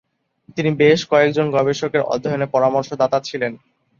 তিনি বেশ কয়েক জন গবেষকের অধ্যয়নে পরামর্শদাতা ছিলেন।